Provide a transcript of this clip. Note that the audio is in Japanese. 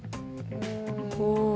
お！